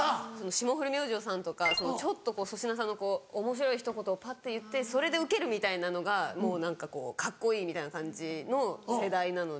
霜降り明星さんとかちょっと粗品さんがおもしろいひと言をぱっと言ってそれでウケるみたいなのが何かカッコいいみたいな感じの世代なので。